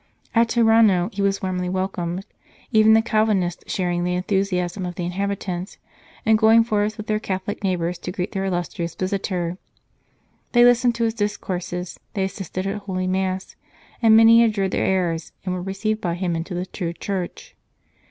At Tirano he was warmly welcomed, even the Calvinists sharing the enthusiasm of the in habitants, and going forth with their Catholic neighbours to greet their illustrious visitor. They 193 o St. Charles Borromeo listened to his discourses, they assisted at Holy Mass, and many abjured their errors and were received by him into the true Church.